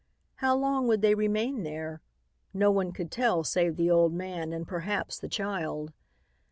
How long would they remain there? No one could tell save the old man and perhaps the child.